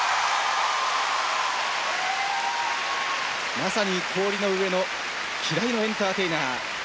まさに氷の上の希代のエンターテイナー。